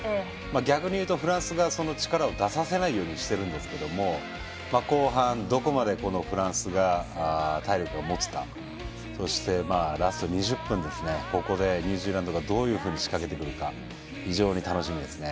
逆に言うとフランスが力を出させないようにしていますが後半、どこまでフランスが体力が持つかそしてラスト２０分でニュージーランドがどういうふうに仕掛けてくるか非常に楽しみですね。